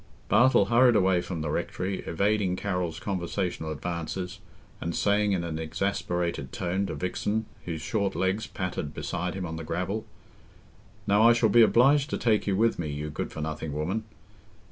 Bartle hurried away from the rectory, evading Carroll's conversational advances, and saying in an exasperated tone to Vixen, whose short legs pattered beside him on the gravel, "Now, I shall be obliged to take you with me, you good for nothing woman.